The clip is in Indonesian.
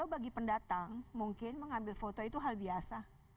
bagi pendatang mungkin mengambil foto itu hal biasa